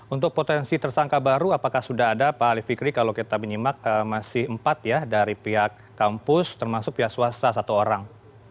untuk potensi tersangka baru apakah sudah ada pak ali fikri kalau kita menyimak masih empat ya dari pihak kampus termasuk pihak swasta satu orang